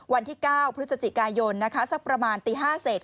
วันที่๙พฤศจิกายนนะคะสักประมาณตี๕เสร็จ